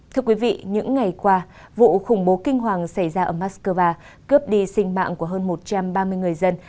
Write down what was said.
thưa quý vị những ngày qua vụ khủng bố kinh hoàng xảy ra ở moscow cướp đi sinh mạng của hơn một trăm ba mươi người dân